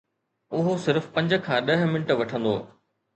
اهو صرف پنج کان ڏهه منٽ وٺندو.